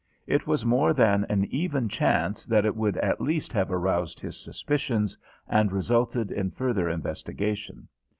It was more than an even chance that it would at least have aroused his suspicions and resulted in further investigation.